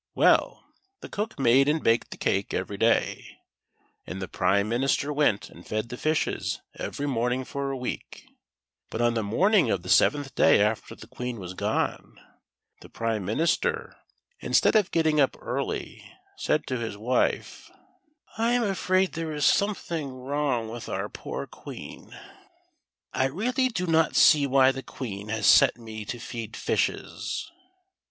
Well, the cook made and baked the cake every day, and the prime minister went and fed the fishes every morning for a week ; but on the morning of the seventh day after the Queen was gone, the prime minister, instead of getting up early, said to his wife: 32 THE SILVER FISH. "I really do not see why the Queen has set me to feed fishes."